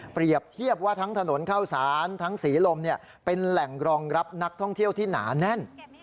เทียบว่าทั้งถนนเข้าสารทั้งศรีลมเป็นแหล่งรองรับนักท่องเที่ยวที่หนาแน่น